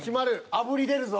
あぶり出るぞ。